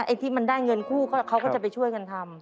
ไอ้ที่มันได้เงินคู่ก็เขาก็จะไปช่วยกันทำ